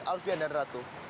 alfian dan ratu